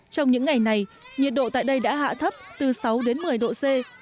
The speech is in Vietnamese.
trong những ngày này nhiệt độ tại đây đã hạ thấp từ sáu đến một mươi độ c